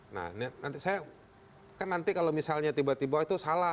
nah saya kan nanti kalau misalnya tiba tiba itu salah